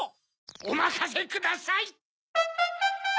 おまかせください！